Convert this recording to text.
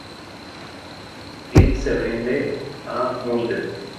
Juliet se rinde a Mulder.